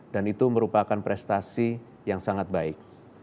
dan itu merupakan prestasi yang sangat baik